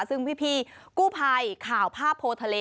ซึ่งพี่กู้ภัยข่าวภาพโพทะเล